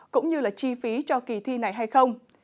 cũng như là chi phí cho kỳ thi này hay không